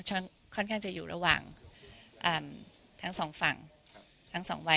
ฉันค่อนข้างจะอยู่ระหว่างทั้งสองใย